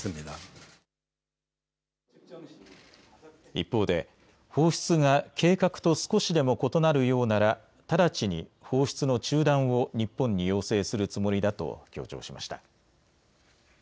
一方で放出が計画と少しでも異なるようなら直ちに放出の中断を日本に要請するつもりだと強調しました。